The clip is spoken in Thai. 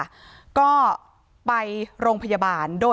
ที่โพสต์ก็คือเพื่อต้องการจะเตือนเพื่อนผู้หญิงในเฟซบุ๊คเท่านั้นค่ะ